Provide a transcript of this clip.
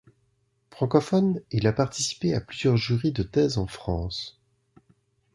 Francophone, il a participé à plusieurs jury de thèses en France.